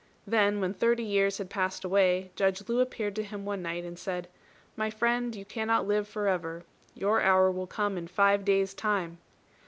Then when thirty years had passed away, Judge Lu appeared to him one night, and said, "My friend, you cannot live for ever. Your hour will come in five days' time."